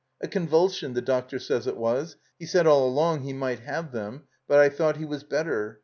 A convulsion, the doctor says it was; he said all along he might have them, but I thought he was better.